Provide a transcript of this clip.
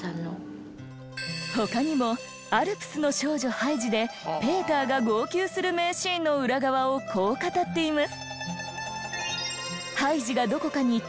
他にも『アルプスの少女ハイジ』でペーターが号泣する名シーンの裏側をこう語っています。